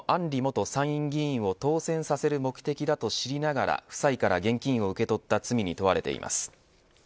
里元参院議員を当選させる目的だと知りながら夫妻から現金を受け取った罪に問われています。